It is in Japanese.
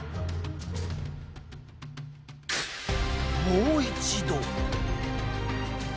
もう一度。